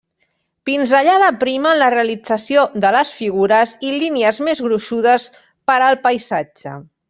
Pinzellada prima en la realització de les figures i línies més gruixudes per al paisatge.